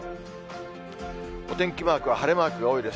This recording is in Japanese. お天気マークは晴れマークが多いです。